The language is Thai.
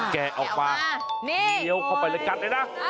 แกะออกมาเคี้ยวเข้าไปแล้วกันเลยนะ